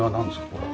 これ。